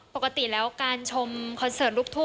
ปกติแล้วการชมคอนเซิร์ต